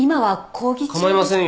構いませんよ。